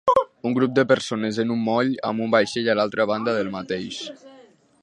Un grup de persones en un moll amb un vaixell a l'altra banda del mateix.